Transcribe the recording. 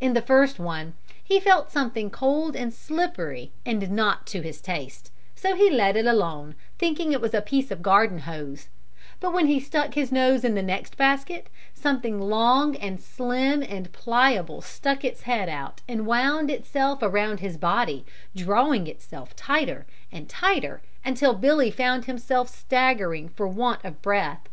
In the first one, he felt something cold and slippery and not to his taste, so he let it alone, thinking it a piece of garden hose; but when he stuck his nose in the next basket something long and slim and pliable stuck its head out and wound itself around his body drawing itself tighter and tighter, until Billy found himself staggering for want of breath.